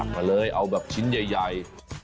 ก็เลยเอาแบบชิ้นใหญ่